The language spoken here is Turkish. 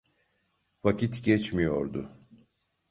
Vakit geçmiyordu.